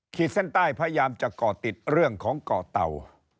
ขีดเส้นใต้พยายามจะก่อติดเรื่องของเกาะเต่า